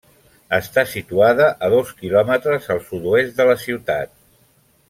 Està situada a dos kilòmetres al sud-oest de la ciutat.